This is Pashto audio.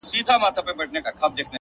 پوهه د انتخاب ځواک زیاتوي.!